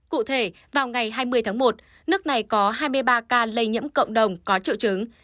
cụ thể vào ngày hai mươi tháng một nước này có hai mươi ba ca lây nhiễm cộng đồng có triệu chứng